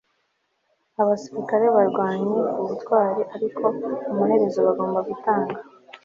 abasirikare barwanye ubutwari, ariko amaherezo bagomba gutanga